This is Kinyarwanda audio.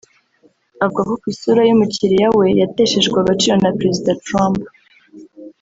avuga ko isura y’umukiliya we yateshejwe agaciro na Perezida Trump